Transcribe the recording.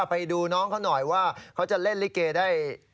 ไปดูน้องเขาหน่อยว่าเขาจะเล่นลิเกได้